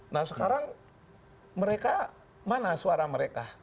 nah sekarang mereka mana suara mereka